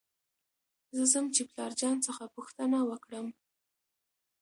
زه ځم چې پلار جان څخه پوښتنه وکړم .